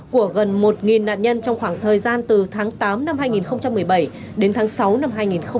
của gần một nạn nhân trong khoảng thời gian từ tháng tám năm hai nghìn một mươi bảy đến tháng sáu năm hai nghìn một mươi tám